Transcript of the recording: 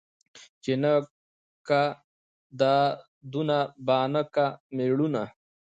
ـ چې نه کا دادونه بانه کا مېړونه.